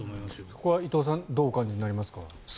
そこは伊藤さんどうお感じになりますか。